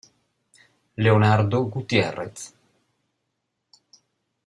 Leonardo Gutiérrez